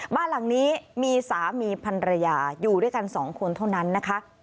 บ้านหลังนี้มีสามีพันรยาอยู่ด้วยกันสองคนเท่านั้นนะคะ